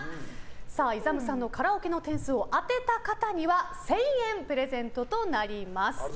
ＩＺＡＭさんのカラオケの点数を当てた方には１０００円プレゼントとなります。